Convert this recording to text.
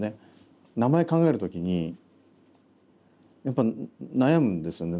名前考える時にやっぱ悩むんですよね。